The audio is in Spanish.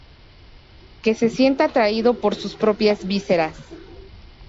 Que se sienta atraído por sus propias vísceras"".